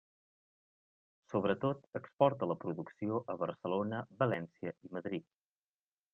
Sobretot, exporta la producció a Barcelona, València i Madrid.